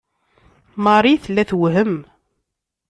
Marie tella tewhem.